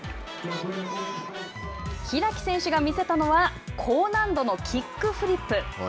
開選手が見せたのは高難度のキックフリップ。